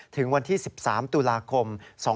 ถึงวันที่๑๓ตุลาคม๒๕๖๒